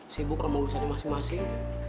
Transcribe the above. sibuk sama urusannya masing masing